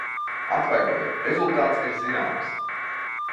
Atvainojiet, rezultāts ir zināms.